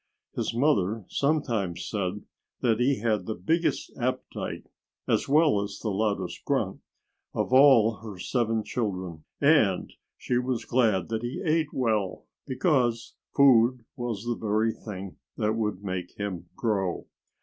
His mother sometimes said that he had the biggest appetite as well as the loudest grunt of all her seven children. And she was glad that he ate well, because food was the very thing that would make him grow.